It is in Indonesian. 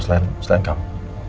siapa lagi yang tau selain kamu